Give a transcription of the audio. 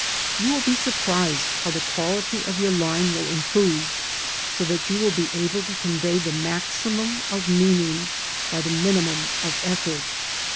You will be surprised how the quality of your line will improve, so that you will be able to convey the maximum of meaning by the minimum of effort.